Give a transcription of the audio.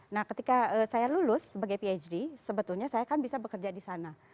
nah ketika saya lulus sebagai phd sebetulnya saya kan bisa bekerja di sana